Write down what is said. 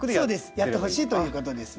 やってほしいということですね。